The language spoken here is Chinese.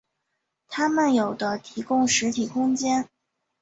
它们有的提供实体空间。